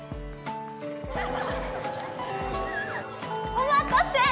お待たせ。